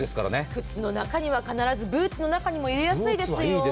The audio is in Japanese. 靴の中には必ず、ブーツの中にも入れやすいですよ。